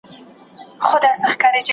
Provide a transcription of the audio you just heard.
هیڅ کمي نه و، د زلمو سرونو.